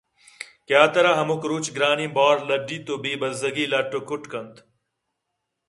کہ آترا ہمک روچ گرٛانیں بار لڈّیتءُ بے بَزّگی لٹّءُ کُٹّ کنت